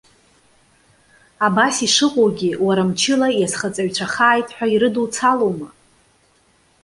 Абас ишыҟоугьы, уара мчыла иазхаҵаҩцәахааит ҳәа ирыдуцалоума?